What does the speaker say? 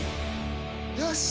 よし！